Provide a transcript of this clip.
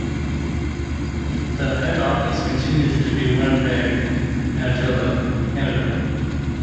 The head office continues to be Winnipeg, Manitoba, Canada.